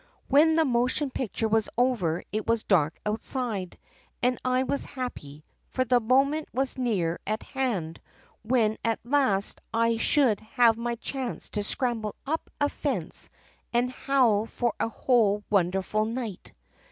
"When the motion picture was over it was dark outside and I was happy, for the moment was near at hand when at last I should have my chance to scramble up a fence and howl for a whole wonderful night.